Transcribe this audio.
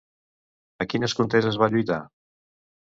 A quines conteses va lluitar?